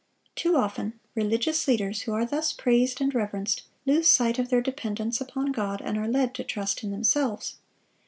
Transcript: Too often, religious leaders who are thus praised and reverenced lose sight of their dependence upon God, and are led to trust in themselves.